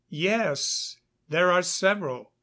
_ Yes, there are several.